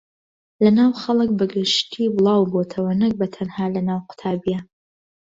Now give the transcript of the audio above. لەناو خەڵک بەگشتی بڵاوبۆتەوە نەک بەتەنها لەناو قوتابییان